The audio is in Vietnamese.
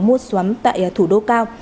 mua xóm tại thủ đô cao